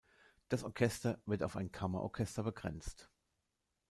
Das Orchester wird auf ein Kammerorchester begrenzt.